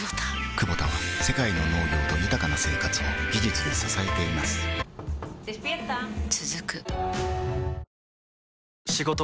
クボタは世界の農業と豊かな生活を技術で支えています起きて。